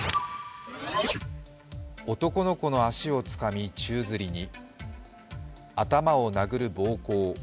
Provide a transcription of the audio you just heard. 男の子の足をつかみ宙づりに、頭を殴る暴行。